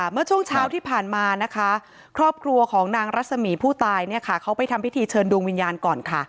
เมื่อช่วงเช้าที่ผ่านมาครอบครัวของนางรัสมีผู้ตายเขาไปทำพิธีเชิญดวงวิญญาณก่อน